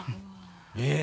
えっ！